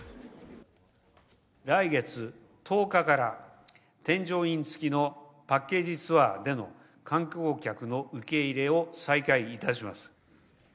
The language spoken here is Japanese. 来月１０日から、添乗員付きのパッケージツアーでの観光客の受け入れを再開いたします。